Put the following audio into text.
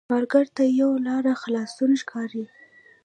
سوالګر ته یوه لاره خلاصون ښکاري